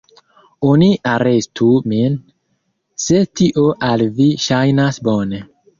Oni arestu min se tio al vi ŝajnas bone.